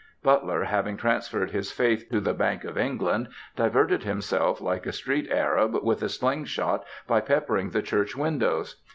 Butler, having transferred his faith to the Bank of England, diverted himself like a street Arab with a slingshot by peppering the church windows.